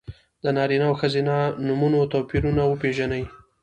د نارینه او ښځینه نومونو توپیرونه وپېژنئ!